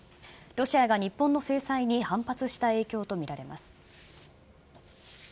ロシアが日本の制裁に反発した影響と見られます。